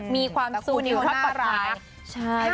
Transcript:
มีความสุขในครอบคราย